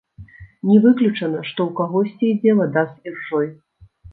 Не выключана, што ў кагосьці ідзе вада з іржой.